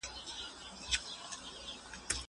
زه له سهاره کالي وچوم!